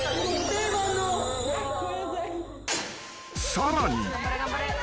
［さらに］